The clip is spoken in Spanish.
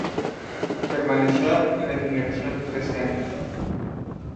Permaneció en la emigración trece años.